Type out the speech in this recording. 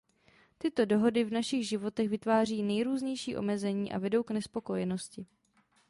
Tyto dohody v našich životech vytváří nejrůznější omezení a vedou k nespokojenosti.